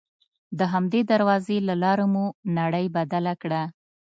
د همدې دروازې له لارې مو نړۍ بدله کړه.